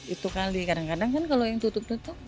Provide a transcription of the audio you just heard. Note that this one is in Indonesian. itu kali kadang kadang kan kalau yang tutup tutup